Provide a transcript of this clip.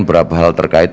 beberapa hal terkait